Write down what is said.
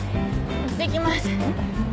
いってきます。